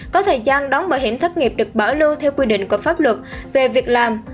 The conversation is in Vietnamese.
có thời gian đóng bảo hiểm thất nghiệp được bảo lưu theo quy định của pháp luật về việc làm